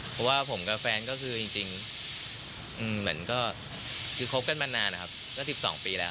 เพราะว่าผมกับแฟนก็คือจริงเหมือนก็คือคบกันมานานนะครับก็๑๒ปีแล้ว